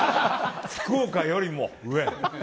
福岡よりも上？